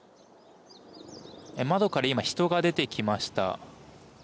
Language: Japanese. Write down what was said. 窓から今人が出てきました。